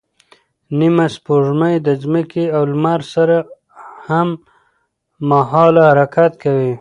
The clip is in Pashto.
نیمه سپوږمۍ د ځمکې او لمر سره هممهاله حرکت کوي.